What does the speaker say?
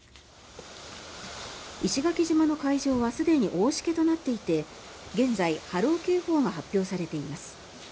石垣島の海上はすでに大しけとなっていて現在、波浪警報が発表されています。